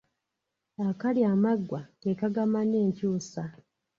Akalya amaggwa ke kagamanya enkyusa.